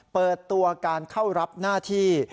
เปิดตัวการเข้ารับหน้าที่